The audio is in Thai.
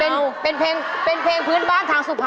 ให้เป็นเพลงพื้นบ้านทางสุพรรณ